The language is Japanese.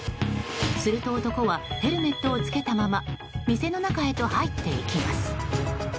すると、男はヘルメットを着けたまま店の中へと入っていきます。